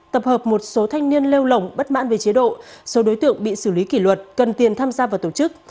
tập hợp một số thanh niên lêu lỏng bất mãn về chế độ số đối tượng bị xử lý kỷ luật cần tiền tham gia vào tổ chức